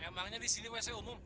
emangnya di sini masih umum